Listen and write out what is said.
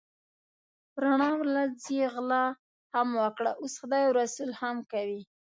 په رڼا ورځ یې غلا هم وکړه اوس خدای او رسول هم کوي.